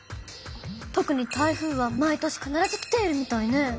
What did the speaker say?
とくに台風は毎年かならず来ているみたいね。